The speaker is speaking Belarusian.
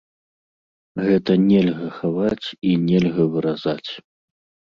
Гэта нельга хаваць і нельга выразаць.